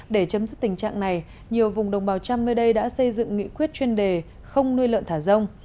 để chấm dứt tình trạng này nhiều vùng đồng bào trăm nơi đây đã xây dựng nghị quyết chuyên đề không nuôi lợn thả rông